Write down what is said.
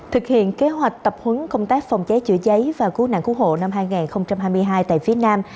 thực hiện kế hoạch tập huấn công tác phòng cháy chữa cháy và cứu nạn cứu hộ năm hai nghìn hai mươi hai tại phía nam